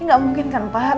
ini gak mungkin kan pak